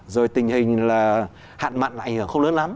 rồi tình hình hạn mạn lại không lớn lắm